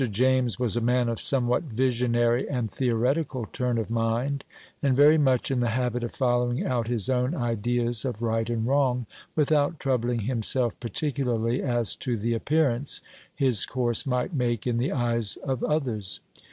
James was a man of somewhat visionary and theoretical turn of mind, and very much in the habit of following out his own ideas of right and wrong, without troubling himself particularly as to the appearance his course might make in the eyes of others.